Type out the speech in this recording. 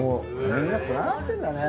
みんなつながってんだね